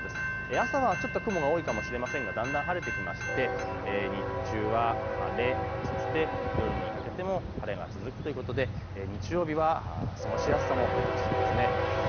朝はちょっと雲が多いかもしれませんがだんだん晴れてきて日中は晴れ、そして夜にかけても晴れが続くということで日曜日は過ごしやすさも出てきそうです。